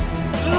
aku mau ke sana